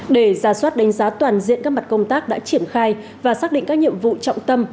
để ra soát đánh giá toàn diện các mặt công tác đã triển khai và xác định các nhiệm vụ trọng tâm